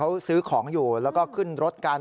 เขาซื้อของอยู่แล้วก็ขึ้นรถกัน